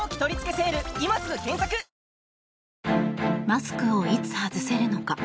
マスクをいつ外せるのか。